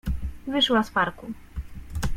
Wyszła z parku.